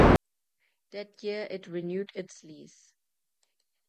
That year it renewed its lease.